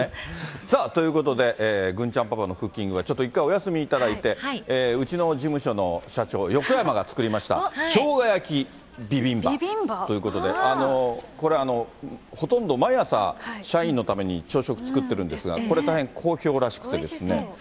ということで、郡ちゃんパパのクッキングは、ちょっと一回お休みいただいて、うちの事務所の社長、よこやまが作りました、しょうが焼きビビンバということで、これ、ほとんど毎朝、社員のために朝食、作ってるんですが、これ大変好評らしくて。